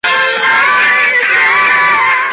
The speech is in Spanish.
Presidenta de la Mancomunidad Industrial Orgaz-Sonseca.